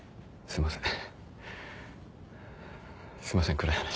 すいません。